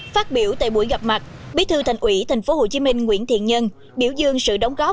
phát biểu tại buổi gặp mặt bí thư thành ủy tp hcm nguyễn thiện nhân biểu dương sự đóng góp